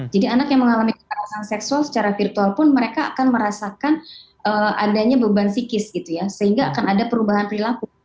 jadi anak yang mengalami kekerasan seksual secara virtual pun mereka akan merasakan adanya beban psikis gitu ya sehingga akan ada perubahan perilaku